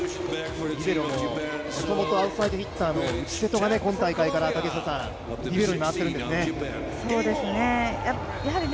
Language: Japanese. もともとアウトサイドヒッターの今大会からリベロに回っているんですね。